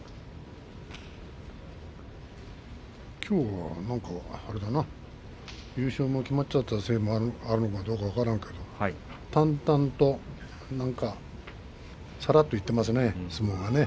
きょうはなんかあれだな優勝も決まっちゃったせいもあるのかどうか分からんけど淡々とさらっといってますね相撲がね。